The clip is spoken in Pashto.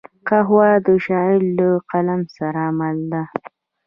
قهوه د شاعر له قلم سره مل ده